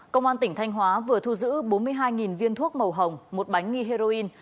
công an tỉnh thanh hóa vừa thu giữ bốn mươi hai viên thuốc màu hồng một bánh nghi heroin